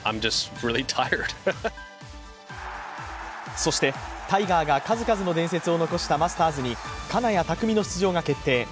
そして、タイガーが数々の伝説を残したマスターズに金谷拓実の出場が決定。